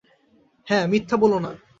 হ্যাঁ, মিথ্যা বলো না।